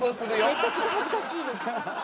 めちゃくちゃ恥ずかしいです。